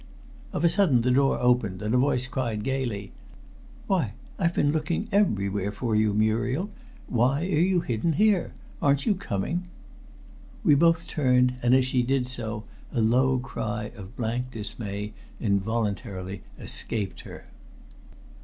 Of a sudden the door opened, and a voice cried gayly "Why, I've been looking everywhere for you, Muriel. Why are you hidden here? Aren't you coming?" We both turned, and as she did so a low cry of blank dismay involuntarily escaped her.